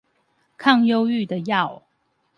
抗憂鬱的藥